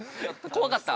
◆怖かった？